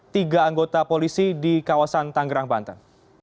tiga anggota polisi di kawasan tanggerang banten